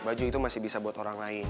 baju itu masih bisa buat orang lain